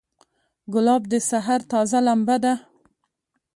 ګلاب د سحر تازه لمبه ده.